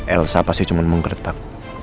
elsa pasti cuma mengkertak